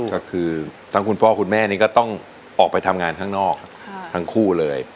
ก็คือทั้งคุณพ่อคุณแม่นี่ก็ต้องออกไปทำงานข้างนอกทั้งคู่เลย